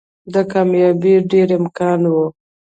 د کاميابۍ ډېر امکان وو